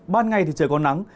ban ngày thì trời còn nắng